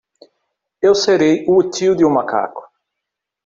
Eu serei o tio de um macaco!